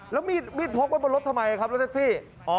แล้วมีดพกไว้บนรถทำไมครับรถแท็กซี่